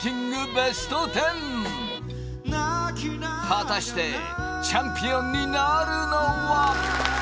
ＢＥＳＴ１０果たしてチャンピオンになるのは？